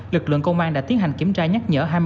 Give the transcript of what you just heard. lực lượng công an đã tiến hành kiểm tra nhắc nhở